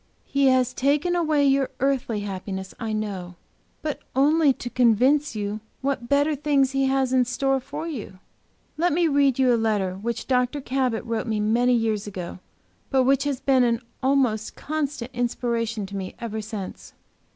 "He has taken away your earthly happiness, I know, but only to convince you what better things He has in store for you. Let me read you a letter which Dr. Cabot wrote me many years ago, but which has been an almost constant inspiration to me ever since."